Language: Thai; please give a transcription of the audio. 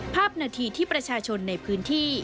ภาพนาทีที่ประชาชนในพื้นที่